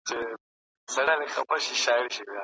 ولي هوډمن سړی د پوه سړي په پرتله برخلیک بدلوي؟